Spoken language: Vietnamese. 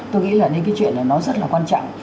tôi nghĩ là nên cái chuyện này nó rất là quan trọng